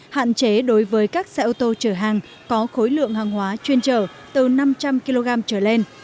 hạn chế đối với các xe ô tô chở hàng có khối lượng hàng hóa chuyên trở từ năm trăm linh kg trở lên